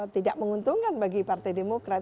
tidak menguntungkan bagi partai demokrat